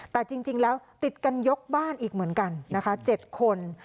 แต่จริงแล้วติดกันยกบ้านอีกเหมือนกันนะคะ๗คน